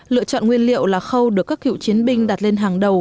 lựa chọn nguyên liệu là khâu được các cựu chiến binh đặt lên hàng đầu